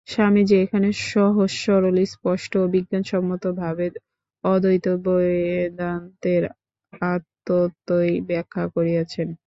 স্বামীজী এখানে সহজ সরল স্পষ্ট ও বিজ্ঞানসম্মতভাবে অদ্বৈত বেদান্তের আত্মতত্ত্বই ব্যাখ্যা করিয়াছেন।